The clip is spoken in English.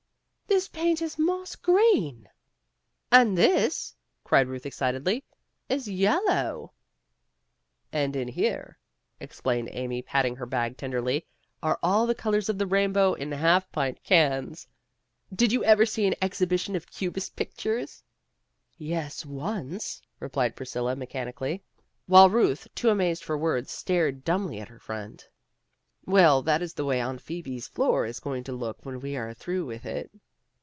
"This paint is moss green." "And this," cried Euth excitedly, "is yellow. '' "And in here," explained Amy, patting her bag tenderly, "are all the colors of the rain bow in half pint cans. Did you ever see an ex hibition of cubist pictures?" "Yes, once," repiled Priscilla mechanically, 54 PEGGY RAYMOND'S WAY while Euth too amazed for words, stared dumbly at her friend. "Well, that is the way Aunt Phoebe's floor is going to look when we are through with it."